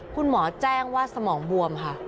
คุณหมอแจ้งว่าสมองบวมค่ะ